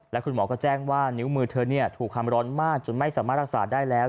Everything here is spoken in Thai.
และคุณหมอก็แจ้งว่านิ้วมือเธอถูกความร้อนมากจนไม่สามารถรักษาได้แล้ว